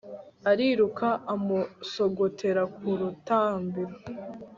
ariruka amusogotera ku rutambiro